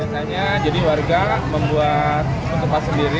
biasanya jadi warga membuat ketupat sendiri